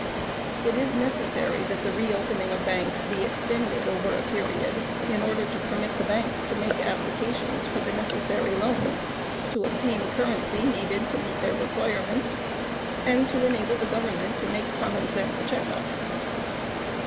It is necessary that the reopening of banks be extended over a period in order to permit the banks to make applications for necessary loans, to obtain currency needed to meet their requirements and to enable the government to make common sense checkups.